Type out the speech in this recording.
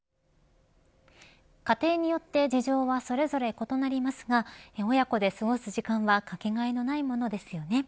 家庭によって事情はそれぞれ異なりますが親子で過ごす時間はかけがえのないものですよね。